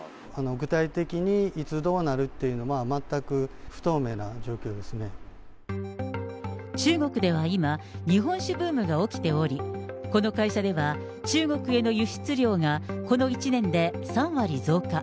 具体的にいつ、どうなるっていうのは、中国では今、日本酒ブームが起きており、この会社では、中国への輸出量がこの１年で３割増加。